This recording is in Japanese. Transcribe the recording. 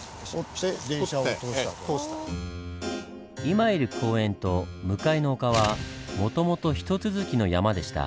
今いる公園と向かいの丘はもともと一続きの山でした。